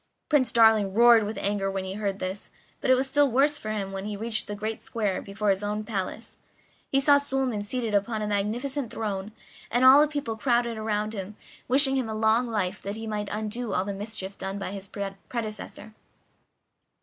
Prince Darling roared with anger when he heard this; but it was still worse for him when he reached the great square before his own palace. He saw Suliman seated upon a magnificent throne, and all the people crowded round, wishing him a long life that he might undo all the mischief done by his predecessor.